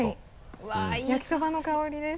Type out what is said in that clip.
焼きそばの香りです。